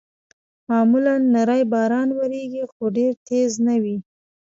معمولاً نری باران اورېږي، خو ډېر تېز نه وي.